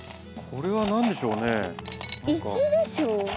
これは何でしょうね？